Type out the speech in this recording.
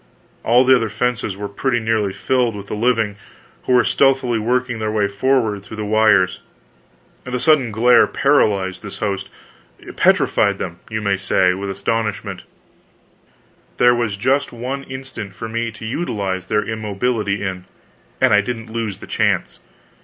All the other fences were pretty nearly filled with the living, who were stealthily working their way forward through the wires. The sudden glare paralyzed this host, petrified them, you may say, with astonishment; there was just one instant for me to utilize their immobility in, and I didn't lose the chance.